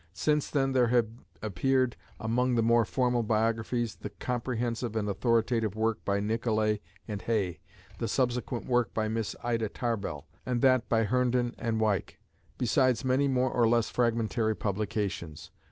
Since then there have appeared, among the more formal biographies, the comprehensive and authoritative work by Nicolay and Hay, the subsequent work by Miss Ida Tarbell, and that by Herndon and Weik, besides many more or less fragmentary publications.